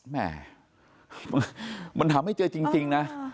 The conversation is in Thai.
แม่มันทำให้เจอจริงนะ